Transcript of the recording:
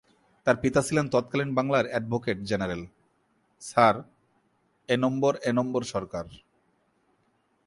তার পিতা ছিলেন তৎকালীন বাংলার অ্যাডভোকেট-জেনারেল, স্যার এনম্বরএনম্বরসরকার।